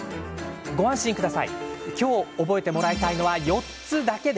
ご安心ください。